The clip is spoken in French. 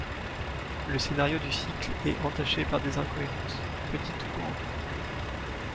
Le scénario du cycle est entaché par des incohérences, petites ou grandes.